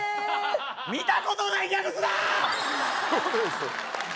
見たことないギャグすなー！